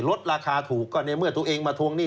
ลดราคาถูกก็ในเมื่อตัวเองมาทวงหนี้